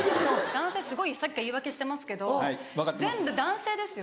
男性すごいさっきから言い訳してますけど全部男性ですよ。